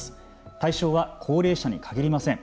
対象は高齢者に限りません。